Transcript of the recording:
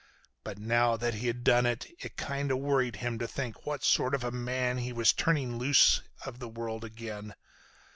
But now that he'd done it, it kinda worried him to think what sort of a man he was turning loose of the world again.